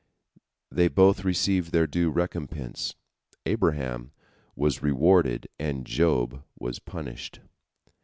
They both received their due recompense, Abraham was rewarded and Job was punished.